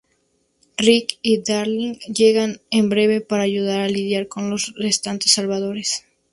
Rick y Daryl llegan en breve para ayudar a lidiar con los restantes salvadores.